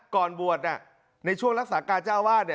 ก่อนบวชในช่วงรักษาการเจ้าวาด